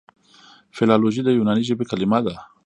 فلالوژي د یوناني ژبي کليمه ده.